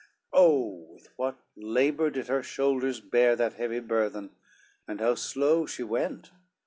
XCIII Oh, with what labor did her shoulders bear That heavy burthen, and how slow she went!